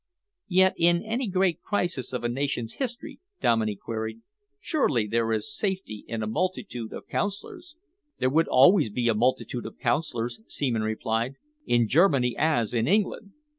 "Yet in any great crisis of a nation's history," Dominey queried, "surely there is safety in a multitude of counsellors?" "There would be always a multitude of counsellors," Seaman replied, "in Germany as in England.